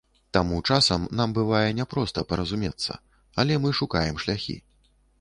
Таму часам нам бывае не проста паразумецца, але мы шукаем шляхі.